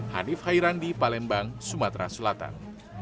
hanif khairandi palembang sumatera selatan